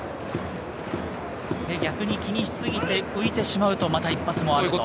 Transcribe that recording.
逆に気にしすぎて浮いてしまうと、また一発もあると。